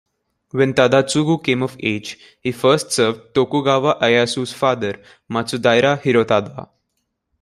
When Tadatsugu came of age, he first served Tokugawa Ieyasu's father, Matsudaira Hirotada.